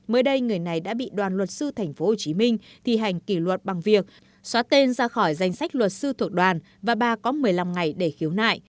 mới đây người này đã bị đoàn luật sư tp hcm thi hành kỷ luật bằng việc xóa tên ra khỏi danh sách luật sư thuộc đoàn và bà có một mươi năm ngày để khiếu nại